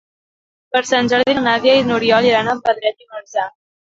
Per Sant Jordi na Nàdia i n'Oriol iran a Pedret i Marzà.